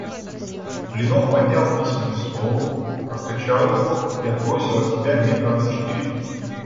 Блинов поднял письменный стол, раскачал его и отбросил от себя метра на четыре.